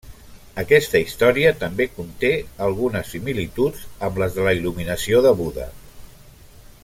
Aquesta història també conté algunes similituds amb les de la il·luminació de Buda.